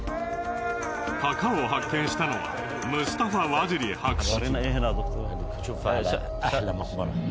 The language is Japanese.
墓を発見したのはムスタファ・ワジリ博士。